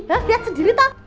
lihat sendiri tuh